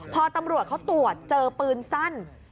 พอตำรวจเขาตรวจเจอปืนสั้น